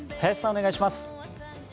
お願いします。